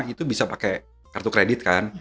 itu bisa pakai kartu kredit kan